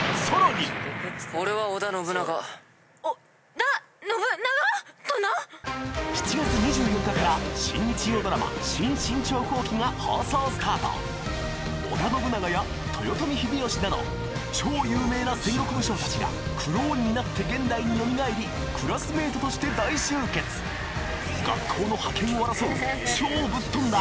「俺は織田信長」「織田信長？とな！？」新日曜ドラマ織田信長や豊臣秀吉など超有名な戦国武将たちがクローンになって現代に蘇りクラスメイトとして大集結学校の覇権を争う超ぶっとんだ